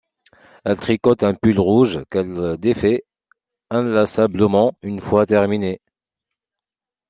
Elle tricotte un pull rouge qu'elle défaît inlassablement une fois terminé.